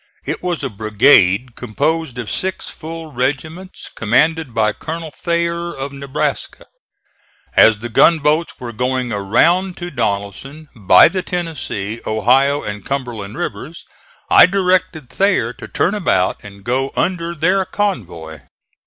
It was a brigade composed of six full regiments commanded by Colonel Thayer, of Nebraska. As the gunboats were going around to Donelson by the Tennessee, Ohio and Cumberland rivers, I directed Thayer to turn about and go under their convoy.